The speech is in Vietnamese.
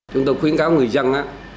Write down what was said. chúng tôi khuyến kháo người dân